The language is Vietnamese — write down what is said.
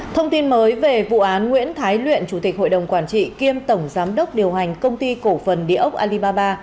thông tin mới về vụ án nguyễn thái luyện chủ tịch hội đồng quản trị kiêm tổng giám đốc điều hành công ty cổ phần địa ốc alibaba